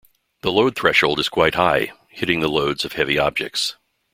The load threshold is quite high, hitting the loads of heavy objects.